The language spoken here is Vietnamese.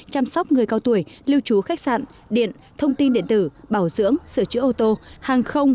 chăm sóc người cao tuổi lưu trú khách sạn điện thông tin điện tử bảo dưỡng sửa chữa ô tô hàng không